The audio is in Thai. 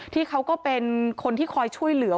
เขาก็เป็นคนที่คอยช่วยเหลือ